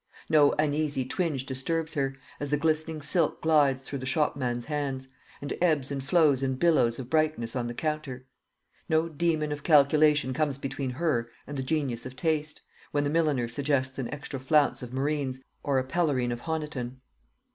No uneasy twinge disturbs her, as the glistening silk glides through the shopman's hands, and ebbs and flows in billows of brightness on the counter. No demon of calculation comes between her and the genius of taste, when the milliner suggests an extra flounce of Marines, or a pelerine of Honiton.